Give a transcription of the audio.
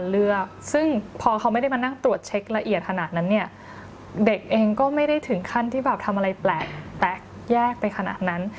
เด็กเองก็ไม่ได้ถึงขั้นที่ทำอะไรแปลกแปลกแยกไปขนาดนั้น